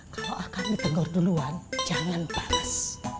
kalau akang ditegor duluan jangan pahas